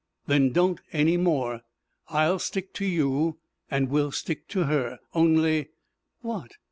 "Then don't any more. I'll stick to you, an' we'll stick to her. Only " "What?"